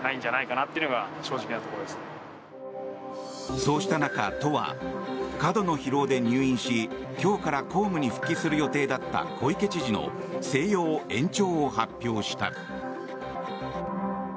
そうした中、都は過度の疲労で入院し今日から公務に復帰する予定だった小池知事の静養延長を発表した。